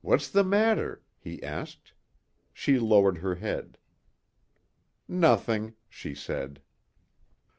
"What's the matter?" he asked. She lowered her head. "Nothing," she said.